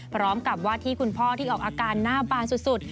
พร้อมกับว่าที่คุณพ่อที่ออกอาการหน้าบานสุด